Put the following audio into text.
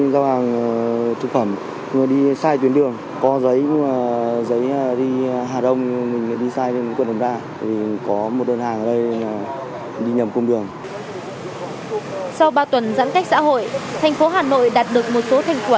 sau ba tuần giãn cách xã hội thành phố hà nội đạt được một số thành quả